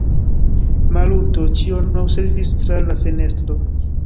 Maluto ĉion observis tra la fenestro.